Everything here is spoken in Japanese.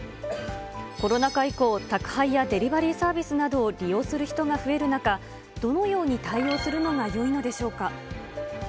コロナ禍以降、宅配やデリバリーサービスなどを利用する人が増える中、どのように対応するのがよいのでしょうか。